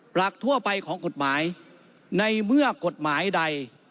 หลักทั่วไปของกฎหมายในเมื่อกฎหมายใด